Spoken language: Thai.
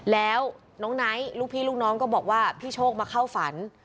แล้วน้องไนท์ลูกพี่ลูกน้องก็บอกว่าพี่โชคมาเข้าฝัน